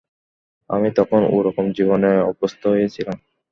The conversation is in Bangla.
আমি তখন ওরকম জীবনে অভ্যস্ত হয়েছিলাম।